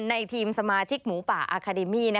ในทีมสมาชิกหมูป่าอาคาเดมี่